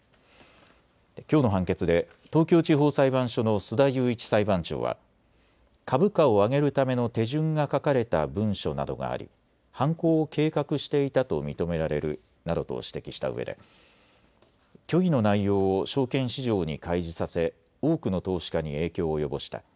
きょうの判決で東京地方裁判所の須田雄一裁判長は株価を上げるための手順が書かれた文書などがあり犯行を計画していたと認められるなどと指摘したうえで虚偽の内容を証券市場に開示させ多くの投資家に影響を及ぼした。